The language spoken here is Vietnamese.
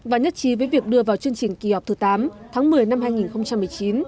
và nhất trí với việc đưa vào chương trình kỳ họp thứ tám tháng một mươi năm hai nghìn một mươi chín